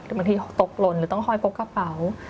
หรือบางทีตกลนหรือต้องคอยปลดกระเป๋า